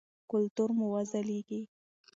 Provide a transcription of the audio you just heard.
کلتور مو وځلیږي.